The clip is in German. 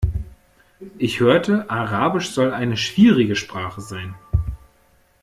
Ich hörte, Arabisch soll eine schwierige Sprache sein.